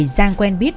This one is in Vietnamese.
giang quen biết